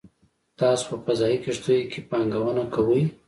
تاسو په فضايي کښتیو کې پانګونه کوئ